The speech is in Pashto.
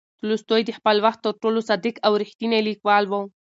تولستوی د خپل وخت تر ټولو صادق او ریښتینی لیکوال و.